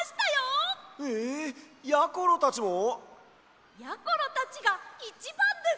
えやころたちも？やころたちがいちばんです！